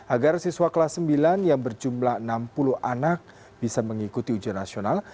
agar siswa kelas sembilan yang berjumlah enam puluh anak bisa mengikuti ujian nasional